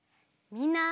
みんな！